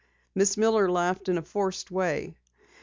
Miss Miller laughed in a forced way.